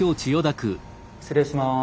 失礼します。